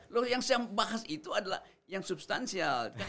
loh yang saya bahas itu adalah yang substansial